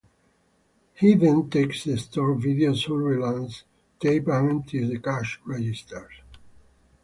He then takes the store video surveillance tape and empties the cash register.